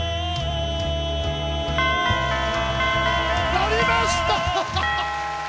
鳴りました！